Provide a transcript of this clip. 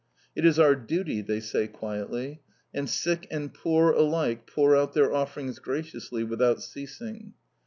"It is our duty," they say quietly; and sick and poor alike pour out their offerings graciously, without ceasing.